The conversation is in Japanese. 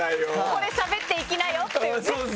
「これしゃべっていきなよ」っていうね。